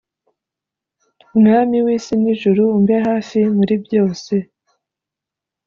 Mwami w’isi n’ijuru umbe hafi muri byose